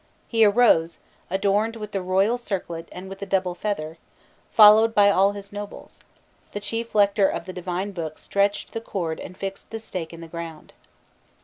"He arose, adorned with the royal circlet and with the double feather, followed by all his nobles; the chief lector of the divine book stretched the cord and fixed the stake in the ground."